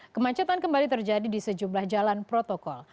kemacetan kembali terjadi di sejumlah jalan protokol